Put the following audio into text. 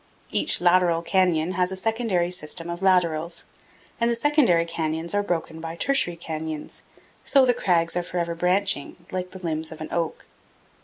Each lateral canyon has a secondary system of laterals, and the secondary canyons are broken by tertiary canyons; so the crags are forever branching, like the limbs of an oak.